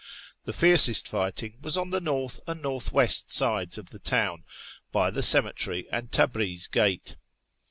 The fiercest fighting was on the north and north west sides of the town, by the cemetery and Tabriz gate.